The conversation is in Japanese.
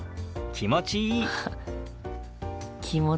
気持ちいい。